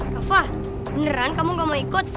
rafa beneran kamu gak mau ikut